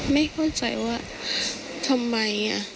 ไม่เข้าใจว่าทำไม